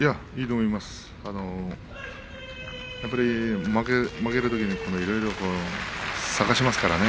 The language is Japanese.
やっぱり負けたときにいろいろ探しますからね。